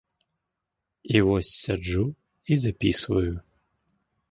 І вось сяджу і запісваю.